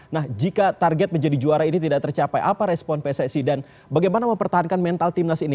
nah jika target menjadi juara ini tidak tercapai apa respon pssi dan bagaimana mempertahankan mental timnas ini